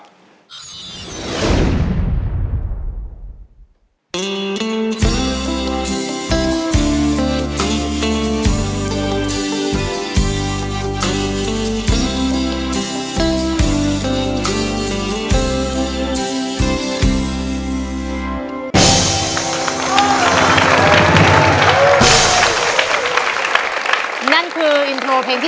ถ้าคุณเกเล้วถ้าฝั่งไม่เอาอินโทรมากต้องทำร่วมกับเล่นของเก